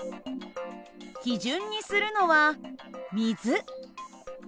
基準にするのは水。